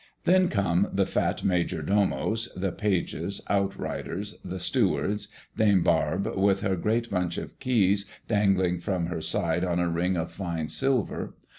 Then come the fat major domos, the pages, outriders, the stewards, Dame Barbe with her great bunch of keys dangling from her side on a ring of fine silver.